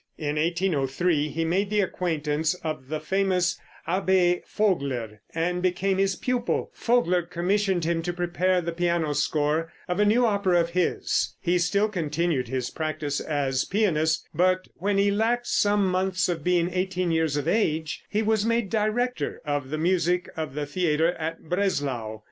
In 1803 he made the acquaintance of the famous Abbé Vogler, and became his pupil. Vogler commissioned him to prepare the piano score of a new opera of his. He still continued his practice as pianist, but when he lacked some months of being eighteen years of age he was made director of the music of the theater at Breslau.